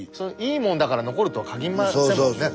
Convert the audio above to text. いいもんだから残るとはかぎりませんもんね。